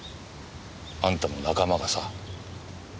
あんたの仲間がさ。